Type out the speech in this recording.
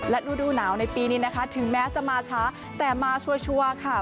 และรูดูหนาวในปีนี้นะคะถึงแม้จะมาช้าแต่มาชัวร์ค่ะ